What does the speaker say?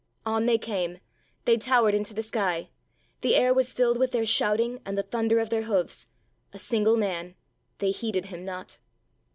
On they came, they towered into the sky, the air was filled with their shouting and the thunder of their hoofs. A single man! They heeded him not.